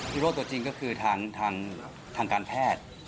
โร่ตัวจริงก็คือทางการแพทย์